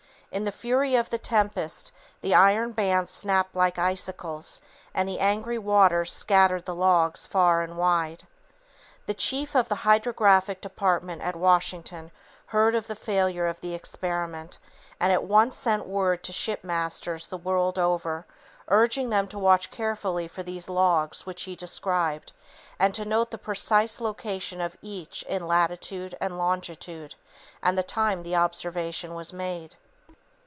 In the fury of the tempest, the iron bands snapped like icicles and the angry waters scattered the logs far and wide. The chief of the Hydrographic Department at Washington heard of the failure of the experiment, and at once sent word to shipmasters the world over, urging them to watch carefully for these logs which he described; and to note the precise location of each in latitude and longitude and the time the observation was made.